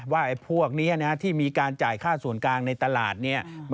ว่าพวกนี้ที่มีการจ่ายค่าส่วนกลางในตลาดเนี่ย